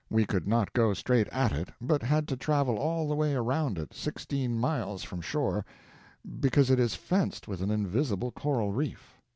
We could not go straight at it, but had to travel all the way around it, sixteen miles from shore, because it is fenced with an invisible coral reef.